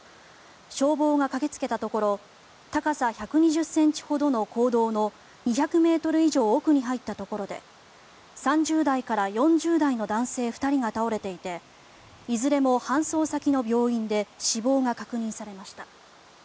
消防が駆けつけたところ高さ１２０ｃｍほどの坑道の２００ｍ以上奥に入ったところで３０代から４０代の男性２人が倒れていていずれも搬送先の病院で死亡が確認されました。